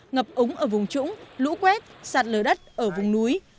ngập úng ở vùng trũng lũ quét sạt lở đất ở vùng núi